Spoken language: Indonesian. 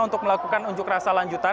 untuk melakukan unjuk rasa lanjutan